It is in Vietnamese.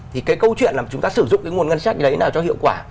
thì cái câu chuyện là chúng ta sử dụng cái nguồn ngân sách đấy nào cho hiệu quả